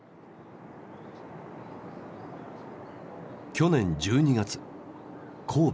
去年１２月神戸。